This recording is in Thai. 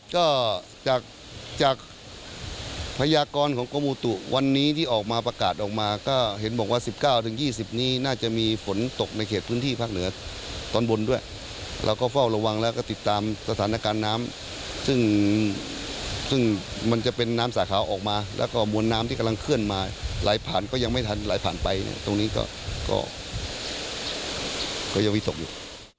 ก็จากจากพยากรของกรมอุตุวันนี้ที่ออกมาประกาศออกมาก็เห็นบอกว่า๑๙๒๐นี้น่าจะมีฝนตกในเขตพื้นที่ภาคเหนือตอนบนด้วยเราก็เฝ้าระวังแล้วก็ติดตามสถานการณ์น้ำซึ่งซึ่งมันจะเป็นน้ำสาขาออกมาแล้วก็มวลน้ำที่กำลังเคลื่อนมาไหลผ่านก็ยังไม่ทันไหลผ่านไปเนี่ยตรงนี้ก็ยังมีตกอยู่